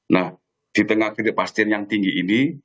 nah di tengah ketidakpastian yang tinggi ini